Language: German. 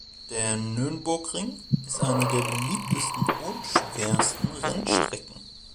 Der Nürburgring ist einer der beliebtesten und schwersten Rennstrecken.